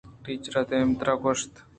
ٹیچر دیمترا گوٛشت